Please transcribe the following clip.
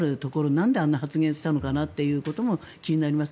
なんであんな発言したのかというのも気になります。